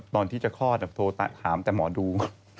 ตอนที่จะคลอดโทรถามแต่หมอดู